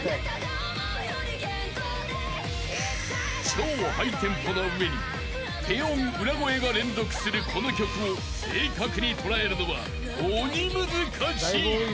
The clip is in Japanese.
［超ハイテンポな上に低音裏声が連続するこの曲を正確に捉えるのは鬼難しい！］